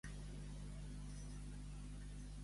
Sant Pere canvia els mobles de lloc.